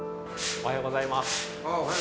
おはようございます。